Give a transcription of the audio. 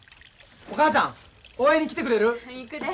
お母ちゃん応援に来てくれる？